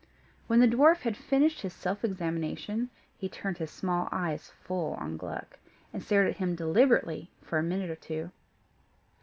When the dwarf had finished his self examination, he turned his small eyes full on Gluck, and stared at him deliberately for a minute or two.